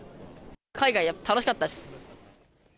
海外、やっぱ楽しかったです。